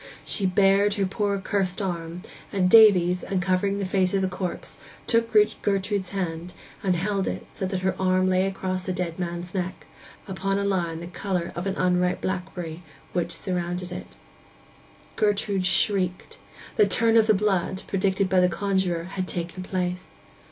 She bared her poor curst arm; and Davies, uncovering the face of the corpse, took Gertrude's hand, and held it so that her arm lay across the dead man's neck, upon a line the colour of an unripe blackberry, which surrounded it. Gertrude shrieked: 'the turn o' the blood,' predicted by the conjuror, had taken place.